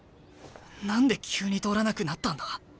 何で急に通らなくなったんだ？